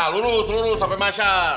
lurus lurus sampai masyar